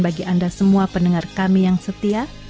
bagi anda semua pendengar kami yang setia